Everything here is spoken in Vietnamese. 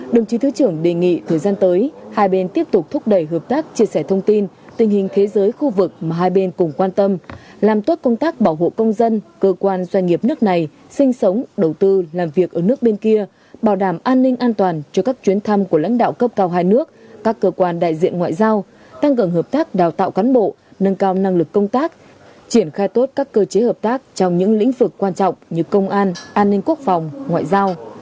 đồng chí thứ trưởng đề nghị thời gian tới hai bên tiếp tục thúc đẩy hợp tác chia sẻ thông tin tình hình thế giới khu vực mà hai bên cùng quan tâm làm tốt công tác bảo hộ công dân cơ quan doanh nghiệp nước này sinh sống đầu tư làm việc ở nước bên kia bảo đảm an ninh an toàn cho các chuyến thăm của lãnh đạo cấp cao hai nước các cơ quan đại diện ngoại giao tăng cường hợp tác đào tạo cán bộ nâng cao năng lực công tác triển khai tốt các cơ chế hợp tác trong những lĩnh vực quan trọng như công an an ninh quốc phòng ngoại giao